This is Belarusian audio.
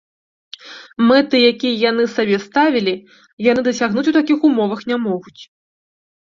Мэты, якія яны сабе ставілі, яны дасягнуць у такіх умовах не могуць.